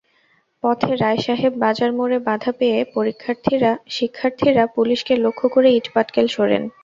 পথে রায়সাহেব বাজার মোড়ে বাধা পেয়ে শিক্ষার্থীরা পুলিশকে লক্ষ্য করে ইট-পাটকেল ছোড়েন।